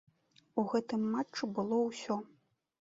У гэтым матчы было ўсё.